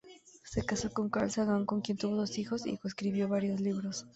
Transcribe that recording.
Se casó con Carl Sagan, con quien tuvo dos hijos y coescribió varios libros.